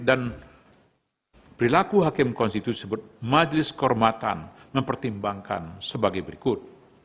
dan perilaku hakim konstitusi sebut majelis kehormatan mempertimbangkan sebagai berikut